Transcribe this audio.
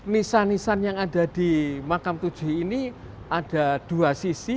nisan nisan yang ada di makam tujuh ini ada dua sisi